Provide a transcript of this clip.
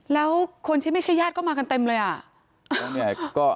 แล้วคนที่ไม่ใช่ญาติก็มากันเต็มเลยอ่ะ